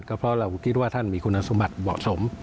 ก็เพราะเราคิดว่าท่านมีคุณสมบัติเหมาะสม